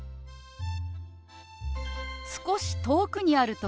少し遠くにある時。